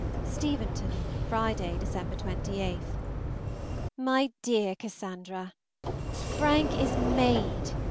STEVENTON, Friday (December 28). MY DEAR CASSANDRA, Frank is made.